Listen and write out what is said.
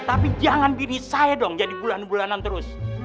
tapi jangan bini saya dong jadi bulan bulanan terus